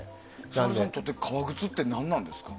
菅原さんにとって革靴って何ですか？